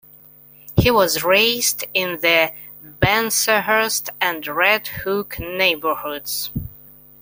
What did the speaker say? He was raised in the Bensonhurst and Red Hook neighborhoods.